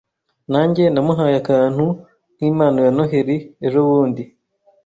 Nanjye namuhaye akantu nkimpano ya Noheri ejobundi